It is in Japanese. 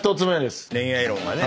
恋愛論がね。